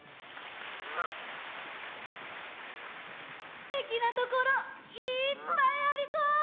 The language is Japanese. すてきなところいっぱいありそう！